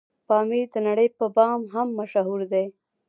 پامير دنړۍ په بام هم مشهور دی